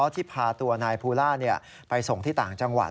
ที่พาตัวนายภูล่าไปส่งที่ต่างจังหวัด